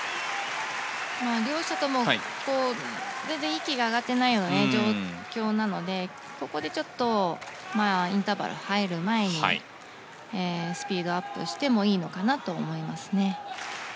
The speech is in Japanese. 両者とも全然息が上がっていないような状況なのでここでちょっとインターバルに入る前にスピードアップしてもいいのかなと思いますね。